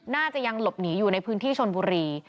น่าจะยังหลบหนีอยู่ในพื้นที่ชนบุรี